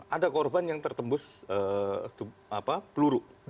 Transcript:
ada korban yang tertembus peluru